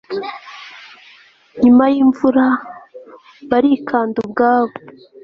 nyuma y'imvura. barikanda ubwabo